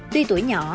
tuy tuổi nhỏ